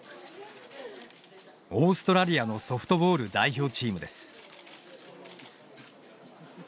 オーストラリアのソフトボール代表チームです。